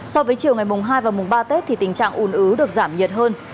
so với chiều ngày mùng hai và mùng ba tết thì tình trạng ùn ứ được giảm nhiệt hơn